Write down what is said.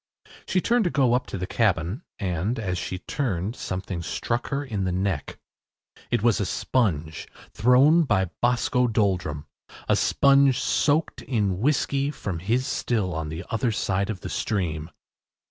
She turned to go up to the cabin, and, as she turned something struck her in the neck. It was a sponge, thrown by Boscoe Doldrum a sponge soaked in whiskey from his still on the other side of the stream.